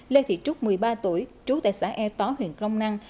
lê thị trúc một mươi ba tuổi trú tại xã e tó huyện crong năng